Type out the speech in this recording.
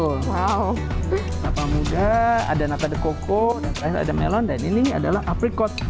kelapa muda ada napa de coco dan terakhir ada melon dan ini adalah aprikot